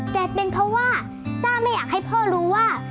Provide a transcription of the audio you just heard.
แต่เป็นเพราะว่าต้าไม่อยากให้พ่อรู้ว่า